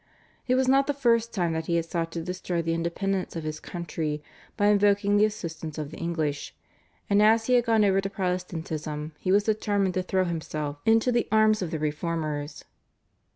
It was not the first time that he had sought to destroy the independence of his country by invoking the assistance of the English, and as he had gone over to Protestantism he was determined to throw himself into the arms of the Reformers.